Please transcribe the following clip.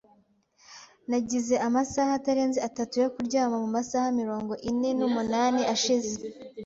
Nagize amasaha atarenze atatu yo kuryama mumasaha mirongo ine n'umunani ashize.